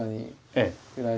ええ。